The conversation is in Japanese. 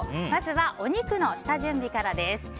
まずはお肉の下準備からです。